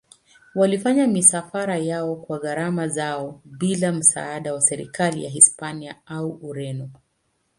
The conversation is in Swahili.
Walifanya misafara yao kwa gharama zao bila msaada wa serikali ya Hispania au Ureno.